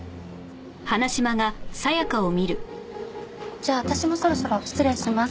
じゃあ私もそろそろ失礼します。